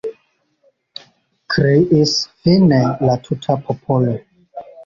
kriis fine la tuta popolo.